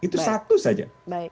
itu satu saja